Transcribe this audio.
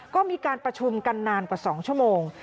ก็มีการประชุมกันนานกว่า๒ชั่วโมง